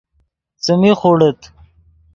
څیمی خوڑیت